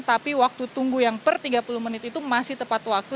tapi waktu tunggu yang per tiga puluh menit itu masih tepat waktu